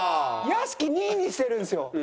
屋敷２位にしてるんですよ。